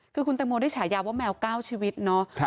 คือคุณตังโมได้ฉายาว่าแมว๙ชีวิตเนาะ